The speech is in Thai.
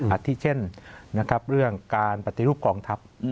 อัดที่เช่นนะครับเรื่องการปฏิรูปกองทัพ